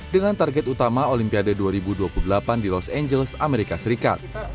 dengan target utama olimpiade dua ribu dua puluh delapan di los angeles amerika serikat